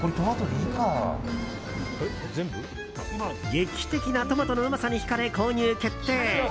劇的なトマトのうまさに引かれ購入決定。